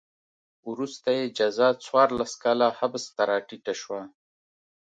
وروسته یې جزا څوارلس کاله حبس ته راټیټه شوه.